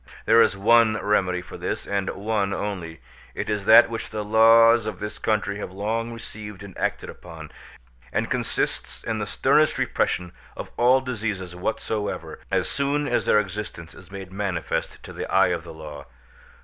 There is one remedy for this, and one only. It is that which the laws of this country have long received and acted upon, and consists in the sternest repression of all diseases whatsoever, as soon as their existence is made manifest to the eye of the law.